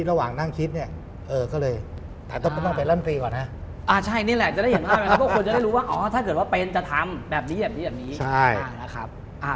ท่านต่อไปเอาสอบสลับบ้างครับ